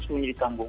semua jadi tambung